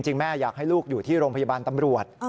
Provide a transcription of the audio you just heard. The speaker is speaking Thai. แม่อยากให้ลูกอยู่ที่โรงพยาบาลตำรวจ